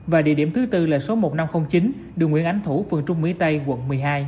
và địa điểm thứ tư là số một nghìn năm trăm linh chín đường nguyễn ánh thủ phường trung mỹ tây quận một mươi hai